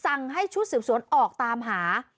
สั่งให้ชุดเสริมสวนออกตามหา